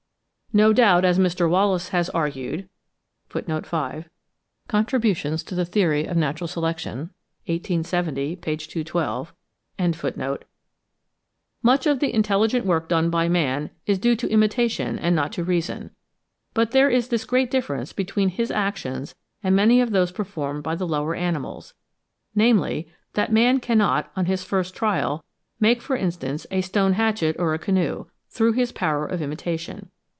No doubt, as Mr. Wallace has argued (5. 'Contributions to the Theory of Natural Selection,' 1870, p. 212.), much of the intelligent work done by man is due to imitation and not to reason; but there is this great difference between his actions and many of those performed by the lower animals, namely, that man cannot, on his first trial, make, for instance, a stone hatchet or a canoe, through his power of imitation.